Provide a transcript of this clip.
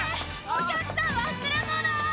お客さん忘れ物！